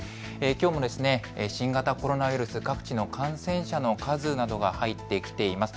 きょうも新型コロナウイルス、各地の感染者の数などが入ってきています。